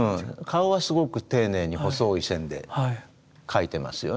顔はすごく丁寧に細い線で描いてますよね。